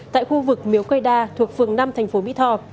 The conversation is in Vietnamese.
tại khu vực miếu cây đa thuộc phường năm thành phố mỹ tho